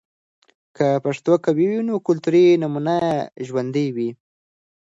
که پښتو قوي وي، نو کلتوري نمونه ژوندۍ وي.